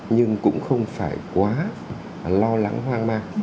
nhưng cũng không phải quá lo lắng hoang mang